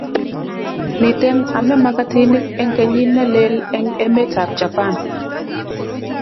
Miten ame magatinik eng kenyit nelel eng emetab Japan